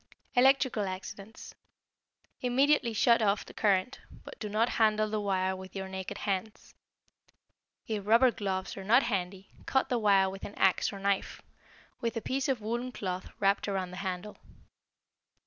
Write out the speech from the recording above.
=Electrical Accidents.= Immediately shut off the current, but do not handle the wire with your naked hands. If rubber gloves are not handy, cut the wire with an ax or knife, with a piece of woolen cloth wrapped around the handle.